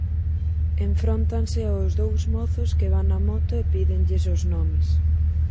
Enfróntanse aos dous mozos que van na moto e pídenlles os nomes.